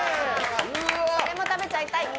これも食べちゃいたい。